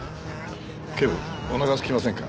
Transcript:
警部お腹すきませんか？